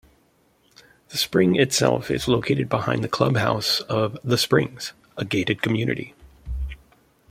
The spring itself is located behind the clubhouse of "The Springs", a gated community.